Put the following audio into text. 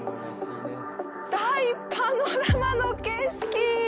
大パノラマの景色！